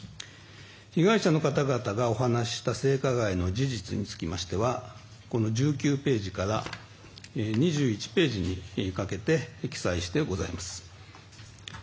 被害者の方々がお話しした性加害の事実につきましてはこの１９ページから２１ページにかけて記載してございます。